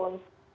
jadi kalau untuk